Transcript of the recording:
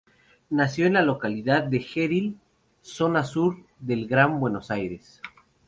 Nació en la localidad de Gerli, zona sur del Gran Buenos Aires.